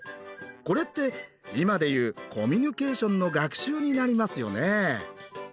これって今で言うコミュニケーションの学習になりますよね。